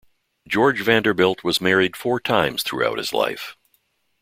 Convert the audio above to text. George Vanderbilt was married four times throughout his life.